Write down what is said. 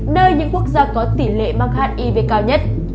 nơi những quốc gia có tỷ lệ mắc hiv cao nhất